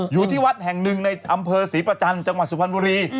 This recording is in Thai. อยู่ที่วัดแห่งหนึ่งในอำเภอศรีประจันทร์จังหวัดสุพรรณบุรี